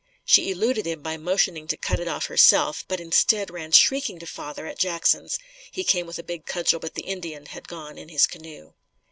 She eluded him by motioning to cut it off herself, but instead, ran shrieking to father at Jackson's. He came with a big cudgel but the Indian had gone in his canoe.